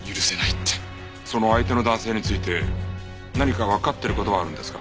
その相手の男性について何かわかってる事はあるんですか？